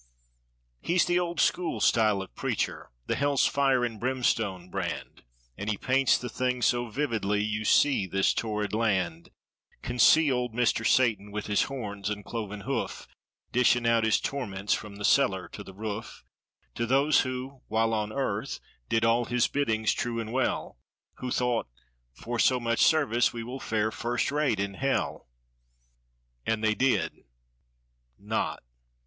He's the old school style of preacher, the "hell's fire —and—brimstone brand," And he paints the thing so vividly—you see this torrid land. Can see old Mr. Satan with his horns and cloven hoof Dishing out his torments from the cellar to the roof To those who, while on earth, did all his biddings true and well. Who thought "For so much service we will fare first rate in hell!" And they did—(not).